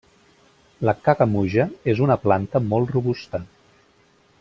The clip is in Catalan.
La cagamuja és una planta molt robusta.